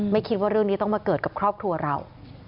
คิดว่าเรื่องนี้ต้องมาเกิดกับครอบครัวเรา